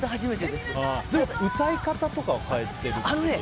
歌い方とか変えてるんですか？